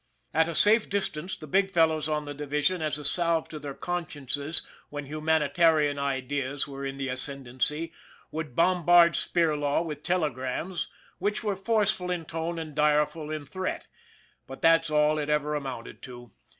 At a safe distance, the Big Fellows on the division, as a salve to their consciences when humanitarian ideas were in the ascendancy, would bombard Spirlaw with telegrams which were forceful in tone and direful in threat but that's all it ever amounted to.